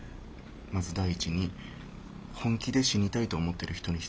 まず第一に本気で死にたいと思ってる人に失礼。